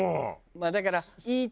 まあだからそう。